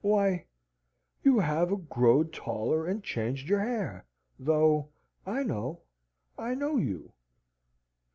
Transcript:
Why, you have a grow'd taller and changed your hair though I know I know you."